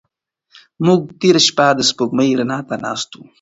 موږ تېره شپه د سپوږمۍ رڼا ته ناست وو.